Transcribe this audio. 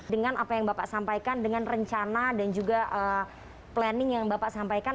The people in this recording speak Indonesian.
dengan apa yang bapak sampaikan dengan rencana dan juga planning yang bapak sampaikan